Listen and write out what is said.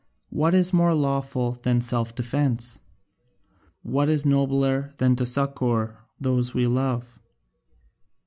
What is more lawful than self defence? What is nobler than to succour those we love?